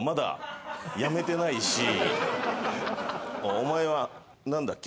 お前は何だっけ？